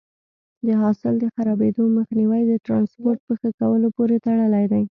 د حاصل د خرابېدو مخنیوی د ټرانسپورټ په ښه کولو پورې تړلی دی.